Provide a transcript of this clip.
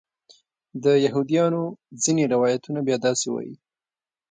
د یهودیانو ځینې روایتونه بیا داسې وایي.